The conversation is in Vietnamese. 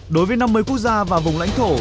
đối với năm mươi quốc gia và vùng lãnh thổ